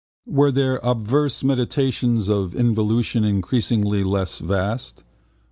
Were there obverse meditations of involution increasingly less vast?